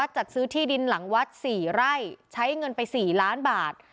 จัดซื้อที่ดินหลังวัด๔ไร่ใช้เงินไป๔ล้านบาท